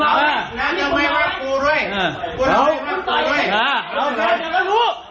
ปรากฏว่าสิ่งที่เกิดขึ้นคลิปนี้ฮะ